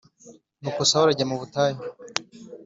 Ni uko Sawuli ajya mu butayu